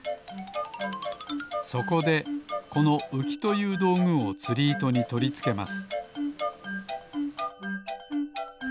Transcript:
そこでこのうきというどうぐをつりいとにとりつけます